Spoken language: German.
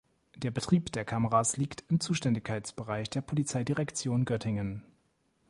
Der Betrieb der Kameras liegt im Zuständigkeitsbereich der Polizeidirektion Göttingen.